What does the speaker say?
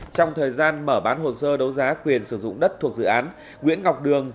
trong thời gian mở bán hồ sơ đấu giá quyền sử dụng đất thuộc dự án nguyễn ngọc đường